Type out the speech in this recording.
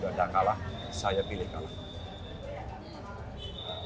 kalau tidak kalah saya pilih kalah